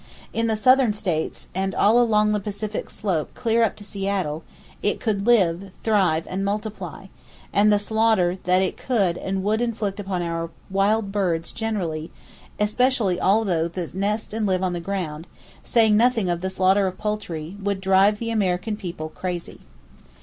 In the southern states, and all along the Pacific slope clear up to Seattle, it could live, thrive and multiply; and the slaughter that it could and would inflict upon our wild birds generally, especially all those that nest and live on the ground, saying nothing of the slaughter of poultry, would drive the American people crazy.